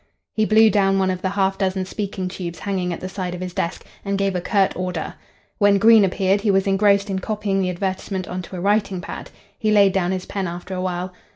He blew down one of the half dozen speaking tubes hanging at the side of his desk, and gave a curt order. When Green appeared he was engrossed in copying the advertisement on to a writing pad. He laid down his pen after a while.